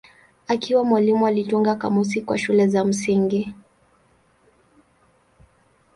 Akiwa mwalimu alitunga kamusi kwa shule za msingi.